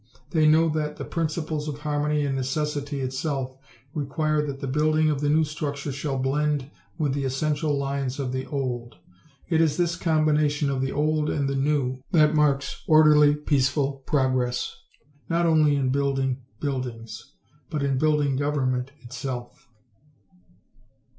They know that the principles of harmony and of necessity itself require that the building of the new structure shall blend with the essential lines of the old. It is this combination of the old and the new that marks orderly peaceful progress not only in building buildings but in building government itself.